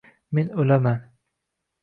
Men o’laman